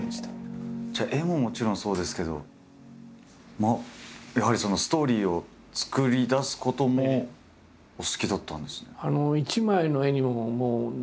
じゃあ絵ももちろんそうですけどやはりストーリーを作り出すこともお好きだったんですね。